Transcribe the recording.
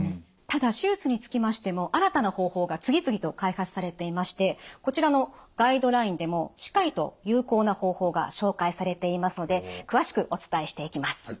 ただ手術につきましても新たな方法が次々と開発されていましてこちらのガイドラインでもしっかりと有効な方法が紹介されていますので詳しくお伝えしていきます。